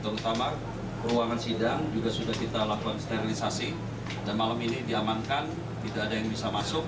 terutama ruangan sidang juga sudah kita lakukan sterilisasi dan malam ini diamankan tidak ada yang bisa masuk